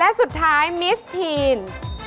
และสุดท้ายมิสทีน